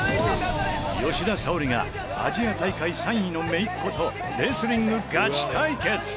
吉田沙保里がアジア大会３位の姪っ子とレスリングガチ対決！